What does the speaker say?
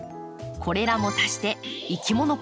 これらも足していきもの